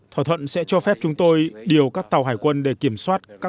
thỏa thuận sẽ cho phép chúng tôi điều các tàu hải quân để kiểm soát các tuyến đường cung cấp